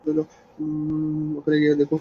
ওখানে গিয়ে দেখো।